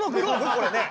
これねえ。